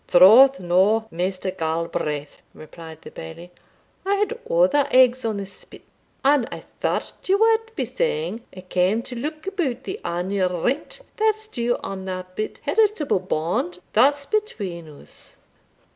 "Troth no, Maister Galbraith," replied the Bailie, "I had other eggs on the spit and I thought ye wad be saying I cam to look about the annual rent that's due on the bit heritable band that's between us."